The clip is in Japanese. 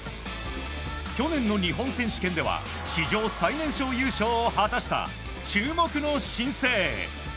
去年の日本選手権では史上最年少優勝を果たした注目の新星。